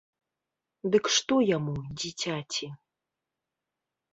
Дык што яму, дзіцяці?